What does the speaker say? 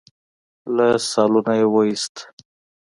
له سالونه يې وايست.